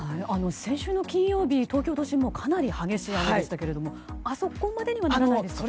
先週の金曜日、東京都心もかなり激しい雨でしたがあそこまでにはならないですか？